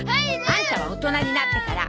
アンタは大人になってから。